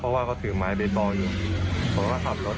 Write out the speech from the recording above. เพราะว่าเขาถือไม้เบสบอลอยู่ผมก็ขับรถ